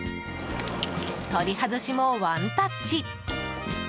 取り外しもワンタッチ！